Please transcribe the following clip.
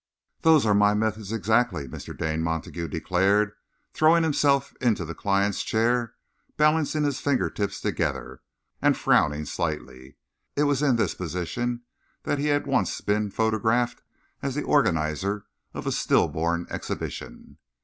"Those are my methods exactly," Mr. Dane Montague declared, throwing himself into the client's chair, balancing his finger tips together, and frowning slightly. It was in this position that he had once been photographed as the organiser of a stillborn Exhibition.